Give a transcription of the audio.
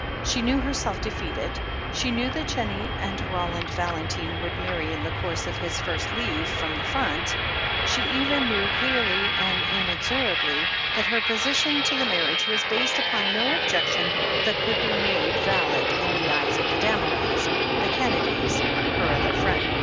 She knew her self defeated, she knew that Jennie and Roland Val entine would marry in the course of his first leave from the front; she even knew, clearly and inexorably, that her opposition to the marriage was based upon no ob jection that could be made valid in the eyes of the Damerels, the Kennedys, her other friends.